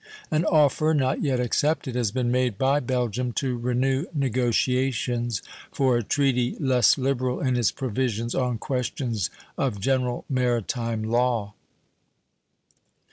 An offer, not yet accepted, has been made by Belgium to renew negotiations for a treaty less liberal in its provisions on questions of general maritime law.